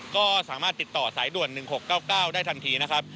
ก็สามารถติดต่อสายด่วน๑๖๙๙ได้ทันทีนะครับ